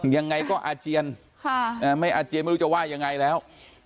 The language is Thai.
ยังไงก็อาเจียนไม่อาเจียนไม่รู้จะว่ายังไงแล้ว